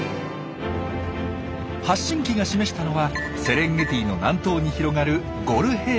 発信機が示したのはセレンゲティの南東に広がるゴル平原。